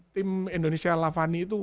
tim indonesia lavani itu